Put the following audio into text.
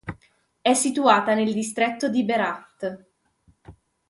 È situata nel distretto di Berat.